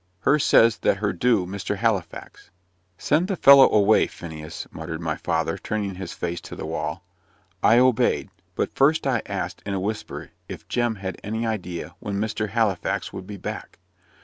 Her says, that her do, Mr. Halifax " "Send the fellow away, Phineas," muttered my father, turning his face to the wall. I obeyed. But first I asked, in a whisper, if Jem had any idea when "Mr. Halifax" would be back?